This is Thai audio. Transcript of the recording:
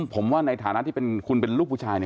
ผมว่าในฐานะที่คุณเป็นลูกผู้ชาย